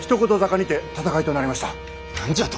何じゃと？